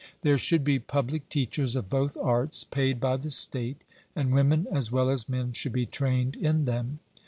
There should be public teachers of both arts, paid by the state, and women as well as men should be trained in them.